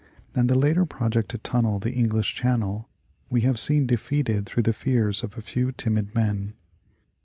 And the later project to tunnel the English Channel we have seen defeated through the fears of a few timid men.